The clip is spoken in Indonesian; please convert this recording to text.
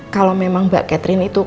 kalau memang mbak catherine itu